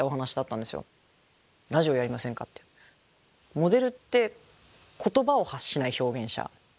モデルって言葉を発しない表現者じゃないですか。